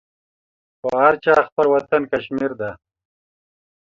په هر چا خپل وطن کشمير ده.